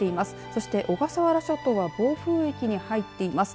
そして小笠原諸島は暴風域に入っています。